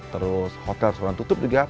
terus hotel sekarang tutup juga